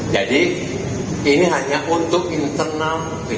jadi ini hanya untuk internal pemerintahan